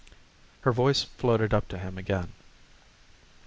Her voice floated up to him again.